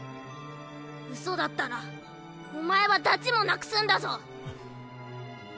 うそだったらお前はダチもなくすんだぞ。